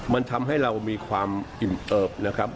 มันทำให้เรามีความอิ่มเอิบนะครับ